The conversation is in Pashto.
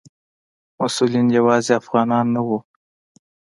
مسؤلین یوازې افغانان نه وو.